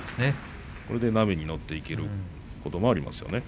それで波に乗っていけることもありますよね。